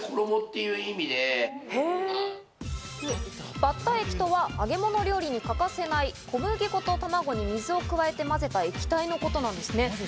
バッター液とは揚げ物料理に欠かせない小麦粉と卵に水を加えて混ぜた液体のことなんですね。